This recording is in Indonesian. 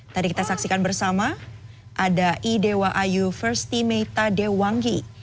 tadi kita saksikan bersama ada idewa ayu firstime tadewangi